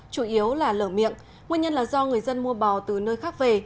chủ yếu là lở miệng nguyên nhân là do người dân mua bò từ nơi khác về